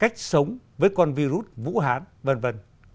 cách sống với con virus vũ hán